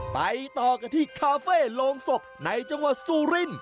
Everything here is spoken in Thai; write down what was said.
ไปต่อกันที่คาเฟ่โรงศพในจังหวัดซูริน